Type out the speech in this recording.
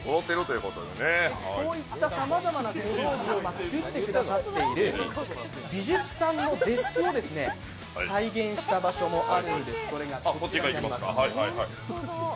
こういったさまざまな小道具を作ってくださっている美術さんのデスクを再現した場所もあるんです、それがこちらになります。